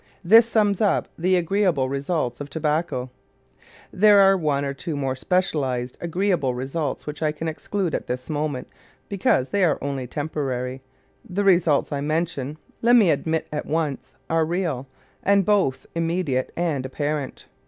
This sums up the agreeable results of tobacco. There are one or two more specialized agreeable results which I exclude at this moment because they are only temporary. The results I mention let me admit at once are real, and both immediate and apparent.